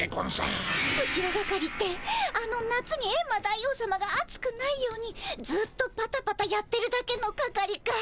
ウチワ係ってあの夏にエンマ大王さまが暑くないようにずっとパタパタやってるだけの係かい？